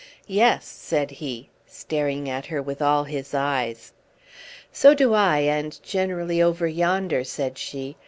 "Yes," said he, staring at her with all his eyes. "So do I, and generally over yonder," said she.